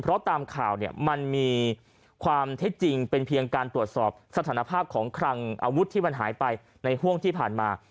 เพราะตามข่าวเนี่ยมันมีความเท็จจริงเป็นเพียงการตรวจสอบสถานภาพของคลังอาวุธที่มันหายไปในห่วงที่ผ่านมา